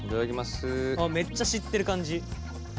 あっめっちゃ知ってる感じ。